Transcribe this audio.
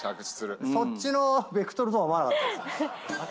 そっちのベクトルとは思わなかったです。